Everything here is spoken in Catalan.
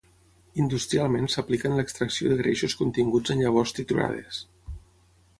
Industrialment s’aplica en l’extracció de greixos continguts en llavors triturades.